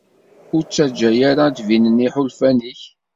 Ur ttaǧǧa ara ad d-binen yiḥulfan-ik.